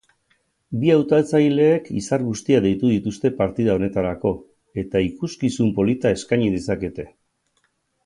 Bi hautatzaileek izar guztiak deitu dituzte partida honetarako eta ikuskizun polita eskaini dezakete.